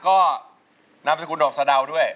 ก็นำสกุลดอกสะดาวด้วย